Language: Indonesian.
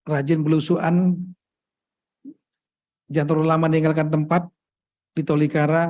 rajin belusuan jantung ulama diinggalkan tempat di tolikara